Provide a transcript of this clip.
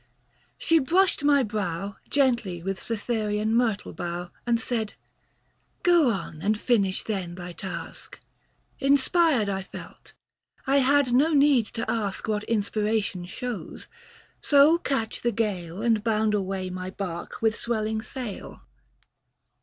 She brushed my brow, Gently with Cythereian myrtle bough, And said —" Go on and finish then thy task." Inspired I felt ; I had no need to ask What inspiration shows — so catch the gale And bound away my barque with swelling sail.